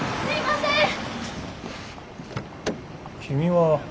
君は。